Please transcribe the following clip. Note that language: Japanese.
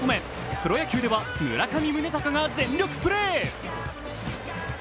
プロ野球では村上宗隆が全力プレー。